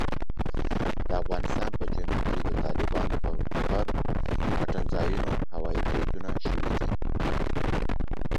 د افغانستان په جنوب کې د طالبانو پر پټنځایونو هوايي بریدونه شوي دي.